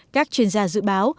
các chuyên gia dự báo